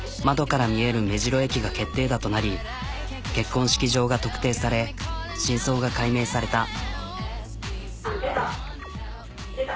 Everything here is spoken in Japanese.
窓から見える目白駅が決定打となり結婚式場が特定され真相が解明された。